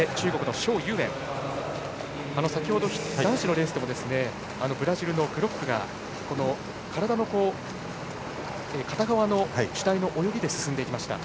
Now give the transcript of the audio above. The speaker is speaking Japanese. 先ほど男子のレースでもブラジルのグロックが体の片側主体の泳ぎで進んでいきました。